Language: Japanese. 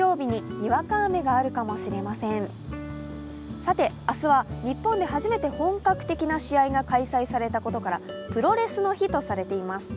さて、明日は日本で初めて本格的な試合が開催されたことからプロレスの日とされています。